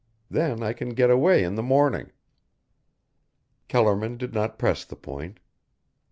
Then I can get away in the morning." Kellerman did not press the point.